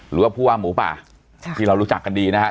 หรือว่าผู้ว่าหมูป่าที่เรารู้จักกันดีนะครับ